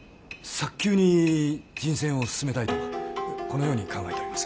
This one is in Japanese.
早急に人選を進めたいとこのように考えております。